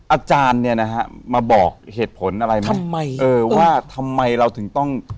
อาจารย์เนี่ยนะฮะมาบอกเหตุผลอะไรมาทำไมเออว่าทำไมเราถึงต้อง